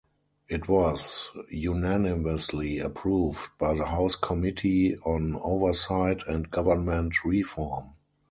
It was unanimously approved by the House Committee on Oversight and Government Reform.